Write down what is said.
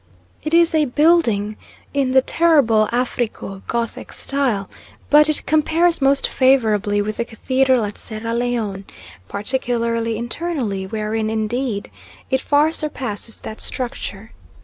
It is a building in the terrible Africo Gothic style, but it compares most favourably with the cathedral at Sierra Leone, particularly internally, wherein, indeed, it far surpasses that structure.